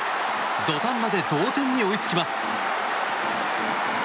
土壇場で同点に追いつきます。